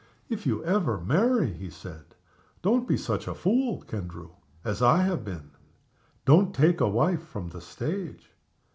"If you ever marry," he said, "don't be such a fool, Kendrew, as I have been. Don't take a wife from the stage."